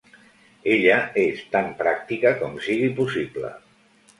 Ella és tan pràctica com sigui possible.